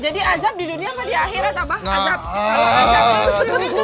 jadi azab di dunia apa di akhirat abah azab